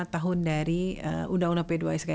lima tahun dari undang undang p dua sk